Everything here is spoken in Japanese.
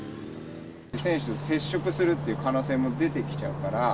選手と接触するという可能性も出て来ちゃうから。